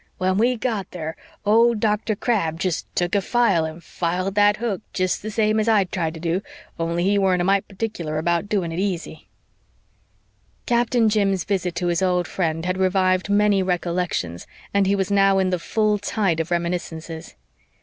When we got there old Dr. Crabb jest took a file and filed that hook jest the same as I'd tried to do, only he weren't a mite particular about doing it easy!" Captain Jim's visit to his old friend had revived many recollections and he was now in the full tide of reminiscences.